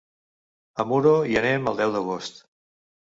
A Muro hi anem el deu d'agost.